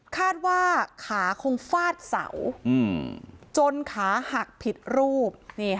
คาดว่าขาคงฟาดเสาจนขาหักผิดรูป